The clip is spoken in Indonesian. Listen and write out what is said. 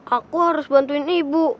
aku harus bantuin ibu